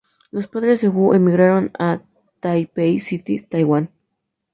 Los padres de Wu emigraron de Taipei City, Taiwan.